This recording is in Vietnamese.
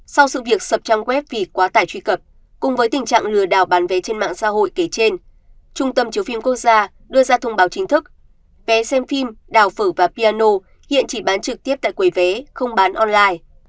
sau sự việc sập trang web vì quá tải truy cập cùng với tình trạng lừa đảo bán vé trên mạng xã hội kể trên trung tâm chiếu phim quốc gia đưa ra thông báo chính thức vé xem phim đào phở và piano hiện chỉ bán trực tiếp tại quầy vé không bán online